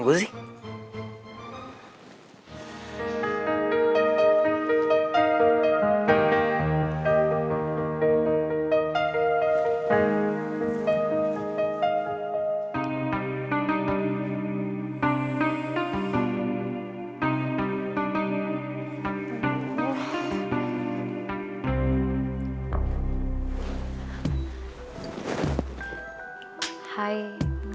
aku udah luang